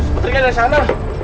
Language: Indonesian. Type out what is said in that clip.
mungkin dari sana